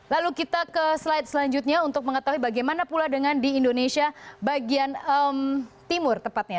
lalu kita ke slide selanjutnya untuk mengetahui bagaimana pula dengan di indonesia bagian timur tepatnya